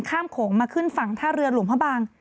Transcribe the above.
โขงมาขึ้นฝั่งท่าเรือหลวงพระบาง